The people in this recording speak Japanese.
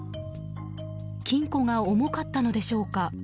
金庫が重かったのでしょうか。